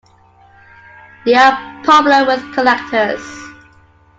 They are popular with collectors.